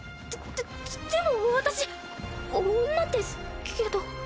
でででも私女ですけど。